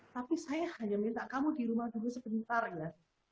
tapi saya hanya minta kamu di rumah dulu sebentar ya